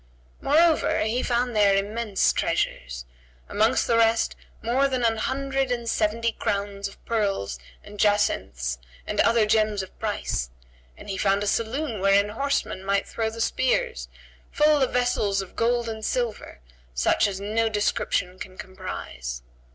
Moreover, he found there immense treasures; amongst the rest more than an hundred and seventy crowns of pearls and jacinths and other gems of price; and he found a saloon, wherein horsemen might throw the spears, full of vessels of gold and silver, such as no description can comprise.